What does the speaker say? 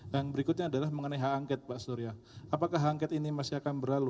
yang berikutnya adalah mengenai hak angket pak surya apakah angket ini masih akan berlalu